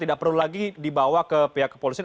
tidak perlu lagi dibawa ke pihak kepolisian